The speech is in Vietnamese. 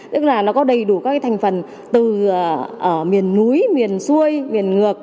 tức là nó có đầy đủ các thành phần từ ở miền núi miền xuôi miền ngược